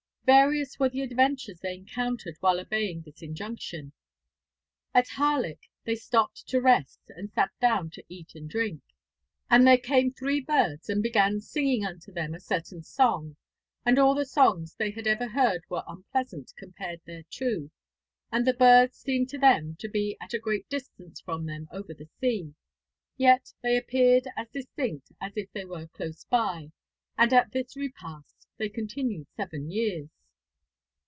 Various were the adventures they encountered while obeying this injunction. At Harlech they stopped to rest, and sat down to eat and drink. 'And there came three birds, and began singing unto them a certain song, and all the songs they had ever heard were unpleasant compared thereto; and the birds seemed to them to be at a great distance from them over the sea, yet they appeared as distinct as if they were close by; and at this repast they continued seven years.'